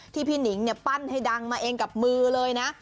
พี่หนิงปั้นให้ดังมาเองกับมือเลยนะ